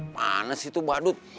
manas itu badut